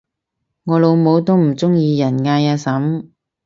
我老母都唔鍾意人嗌阿嬸